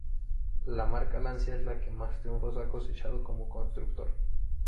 La marca Lancia es la que más triunfos ha cosechado como constructor.